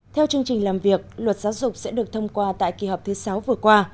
theo chương trình làm việc luật giáo dục sẽ được thông qua tại kỳ họp thứ sáu vừa qua